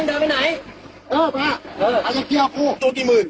นับเกียร์กูจุดกี่หมื่น